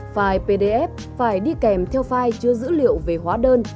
file pdf phải đi kèm theo file chứa dữ liệu về hóa đơn